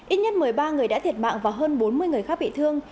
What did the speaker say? ít nhất một mươi ba người đã thiệt mạng và hơn bốn mươi người khác bị thương